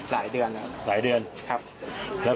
หลายเดือนแล้ว